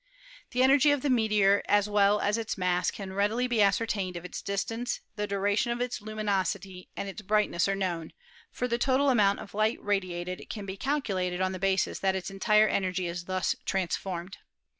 The energy of the meteor as well as its mass can readily be ascertained if its distance, the duration of its luminosity, and its brightness are known, for the total amount of light radiated can be calculated on the basis that its entire energy is thus transformed.